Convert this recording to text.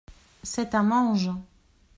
C’est un ange !